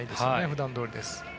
普段どおりです。